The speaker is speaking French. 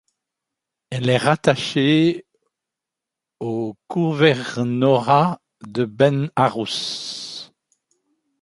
Elle est rattachée au gouvernorat de Ben Arous.